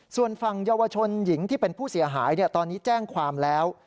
ส่วนฝั่งเยาวชนหญิงที่เป็นผู้เสียหายตอนนี้แจ้งความแล้ว